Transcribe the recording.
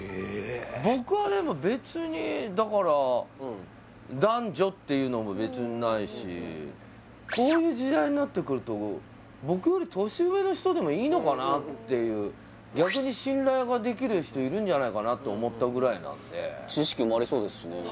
僕はでも別にだからこういう時代になってくると僕より年上の人でもいいのかなっていう逆に信頼ができる人いるんじゃないかなって思ったぐらいなんで知識もありそうですしね